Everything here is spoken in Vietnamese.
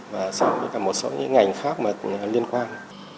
và một số ngành khác liên quan